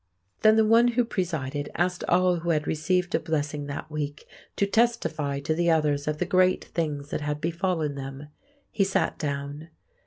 Then the one who presided asked all who had received a blessing that week to testify to the others of the great things that had befallen them. He sat down.